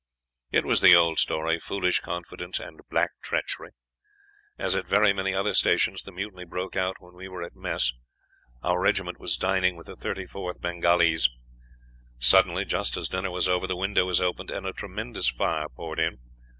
It was the old story, foolish confidence and black treachery. As at very many other stations, the mutiny broke out when we were at mess. Our regiment was dining with the 34th Bengalees. Suddenly, just as dinner was over, the window was opened, and a tremendous fire poured in.